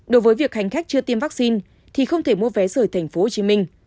đối với việc hành khách chưa tiêm vaccine thì không thể mua vé rời tp hcm